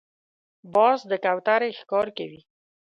باز د کوترې ښکار کوي